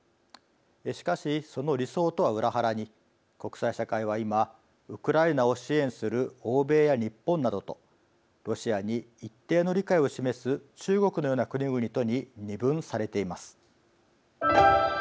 しかしその理想とは裏腹に国際社会は今ウクライナを支援する欧米や日本などとロシアに一定の理解を示す中国のような国々とに二分されています。